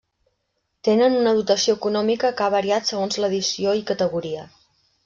Tenen una dotació econòmica que ha variat segons l'edició i categoria.